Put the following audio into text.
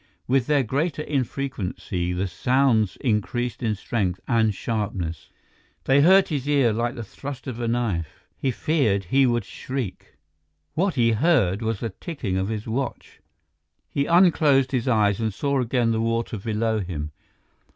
With their greater infrequency the sounds increased in strength and sharpness. They hurt his ear like the thrust of a knife; he feared he would shriek. What he heard was the ticking of his watch. He unclosed his eyes and saw again the water below him.